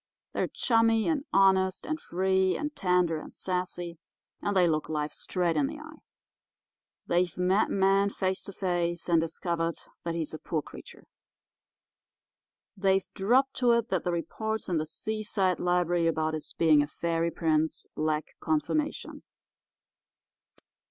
They're chummy and honest and free and tender and sassy, and they look life straight in the eye. They've met man face to face, and discovered that he's a poor creature. They've dropped to it that the reports in the Seaside Library about his being a fairy prince lack confirmation.